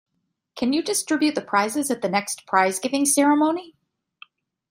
Can you distribute the prizes at the next prize-giving ceremony?